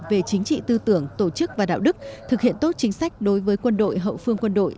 về chính trị tư tưởng tổ chức và đạo đức thực hiện tốt chính sách đối với quân đội hậu phương quân đội